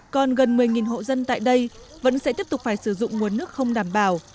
còn gần một mươi hộ dân tại đây vẫn sẽ tiếp tục phải sử dụng nguồn nước không đảm bảo